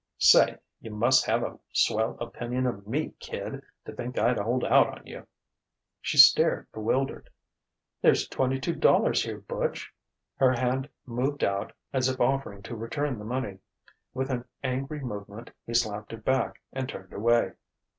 "Say, you must have a swell opinion of me, kid, to think I'd hold out on you!" She stared bewildered. "There's twenty two dollars here, Butch!" Her hand moved out as if offering to return the money. With an angry movement he slapped it back and turned away.